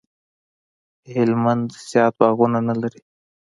هلمند زیات باغونه نه لري